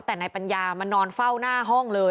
แต่นายปัญญามานอนเฝ้าหน้าห้องเลย